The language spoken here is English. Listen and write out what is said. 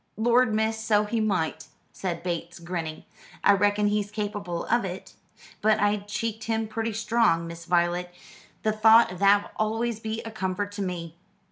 "Lord, miss, so he might!" said Bates, grinning. "I reckon he's capable of it. But I cheeked him pretty strong, Miss Voylet. The thought o' that'll always be a comfort to me.